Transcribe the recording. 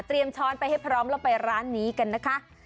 เตรียมช้อนไปให้พร้อมเราไปร้านนี้กันนะคะ